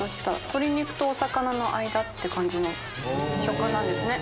鶏肉とお魚の間って感じの食感なんですね。